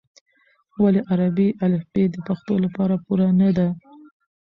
ولې عربي الفبې د پښتو لپاره پوره نه ده؟